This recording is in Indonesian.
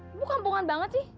ibu keampungan banget sih